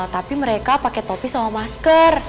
tapi mereka pakai topi sama masker